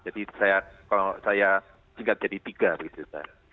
jadi saya kalau saya singkat jadi tiga begitu pak